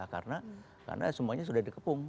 karena semuanya sudah dikepung